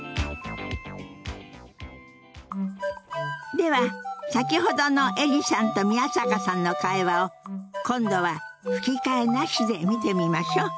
では先ほどのエリさんと宮坂さんの会話を今度は吹き替えなしで見てみましょう。